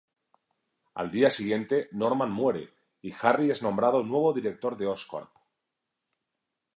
Al día siguiente, Norman muere y Harry es nombrado nuevo director de Oscorp.